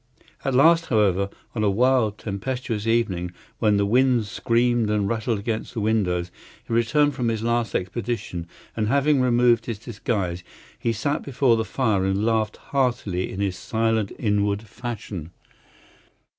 At last, however, on a wild, tempestuous evening, when the wind screamed and rattled against the windows, he returned from his last expedition, and having removed his disguise he sat before the fire and laughed heartily in his silent inward fashion.